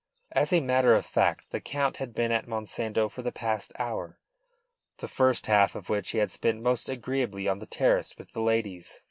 As a matter of fact the Count had been at Monsanto for the past hour, the first half of which he had spent most agreeably on the terrace with the ladies.